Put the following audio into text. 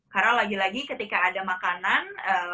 karena lagi lagi ketika ada makanan